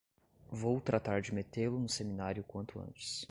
vou tratar de metê-lo no seminário quanto antes.